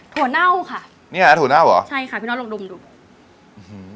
ถั่วเน่าค่ะนี่ไงถั่วเน่าเหรอใช่ค่ะพี่น้องลองดูดูดูดูด